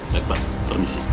baik pak permisi